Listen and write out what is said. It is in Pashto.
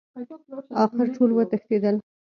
اخر ټول وتښتېدل.